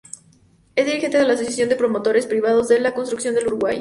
Es dirigente de la Asociación de Promotores Privados de la Construcción del Uruguay.